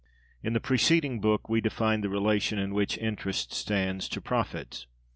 In the preceding book(285) we defined the relation in which interest stands to profit.